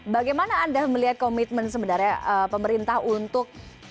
bagaimana anda melihat komitmen sebenarnya pemerintah untuk